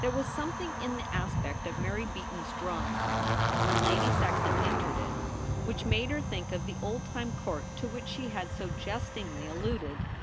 There was something in the aspect of Mary Beaton's drawing room when Lady Saxon entered it, which made her think of the old time Court to which she had so jestingly alluded.